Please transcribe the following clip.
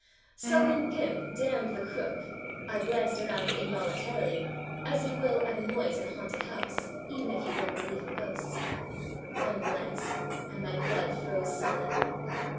So, when "Gimp" damned the "Crook" I glanced around involuntarily, as you will at a noise in a haunted house, even if you don't believe in ghosts. One glance, and my blood froze solid.